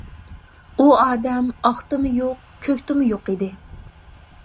ئۇ ئادەم ئاقتىمۇ يوق، كۆكتىمۇ يوق ئىدى!